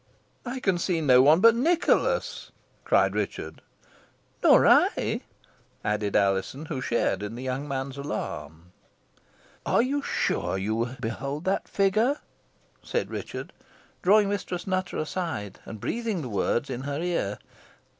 "I can see no one but Nicholas," cried Richard. "Nor I," added Alizon, who shared in the young man's alarm. "Are you sure you behold that figure?" said Richard, drawing Mistress Nutter aside, and breathing the words in her ear.